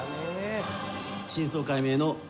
真相解明の。